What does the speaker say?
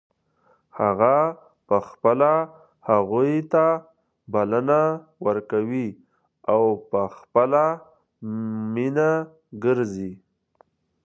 هغه په خپله هغو ته بلنه ورکوي او په خپله مینه ګرځي.